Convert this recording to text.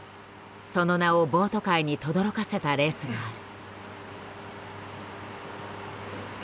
その名をボート界にとどろかせたレースがある。